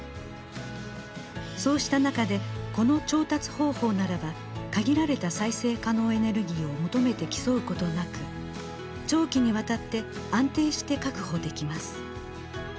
そうした中でこの調達方法ならば限られた再生可能エネルギーを求めて競うことなく長期にわたって安定して確保できます。